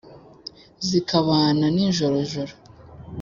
Zikabana n'injorojoro,